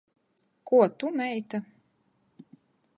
Kuo tu meita?